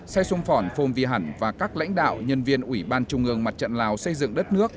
say sỏng phong vy hẳn và các lãnh đạo nhân viên ủy ban trung ương mặt trận lào xây dựng đất nước